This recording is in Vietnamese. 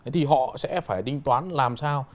thì họ sẽ phải tính toán làm sao